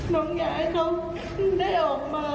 น้องอยากให้เขาได้ออกมา